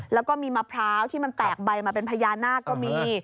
แล้วก็มีมะพร้าวที่มันแตกใบมาเป็นพญานาคก็มี